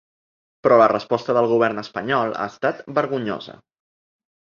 Però la resposta del govern espanyol ha estat vergonyosa.